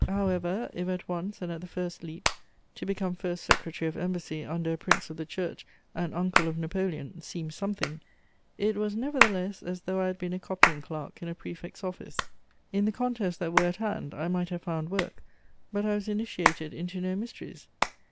However, if at once and at the first leap to become First Secretary of Embassy under a prince of the Church, an uncle of Napoleon, seemed something, it was nevertheless as though I had been a copying clerk in a prefect's office. In the contests that were at hand, I might have found work; but I was initiated into no mysteries.